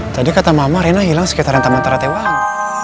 tadi kata mama rena hilang sekitaran taman taratewang